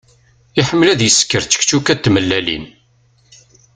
Iḥemmel ad isker čekčuka d tmellalin.